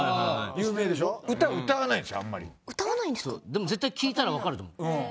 でも絶対聴いたら分かると思う。